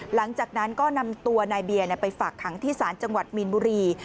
หลังจากนั้นก็นำตัวนายเบียร์ไปฝากขังที่ศาลจังหวัดมีนบุรี